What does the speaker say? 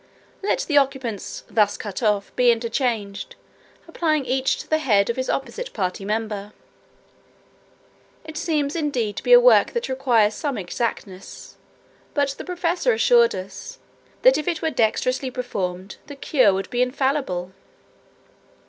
Let the occiputs, thus cut off, be interchanged, applying each to the head of his opposite party man. It seems indeed to be a work that requires some exactness, but the professor assured us, "that if it were dexterously performed, the cure would be infallible."